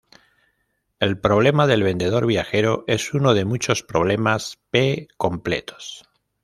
El problema del vendedor viajero es uno de muchos problemas P-completos.